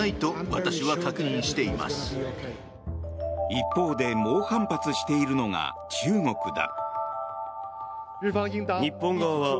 一方で猛反発しているのが中国だ。